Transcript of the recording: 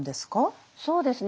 そうですね